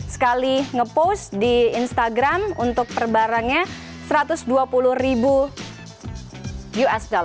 sekali ngepost di instagram untuk per barangnya satu ratus dua puluh ribu usd